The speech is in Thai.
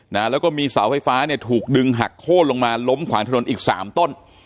นะแล้วก็มีเสาไฟฟ้าเนี่ยถูกดึงหักโค้นลงมาล้มขวางถนนอีกสามต้น